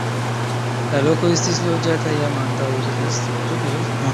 La loko estis loĝata jam antaŭ Kristo.